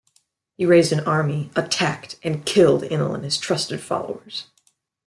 He raised an army, attacked, and killed Inel and his trusted followers.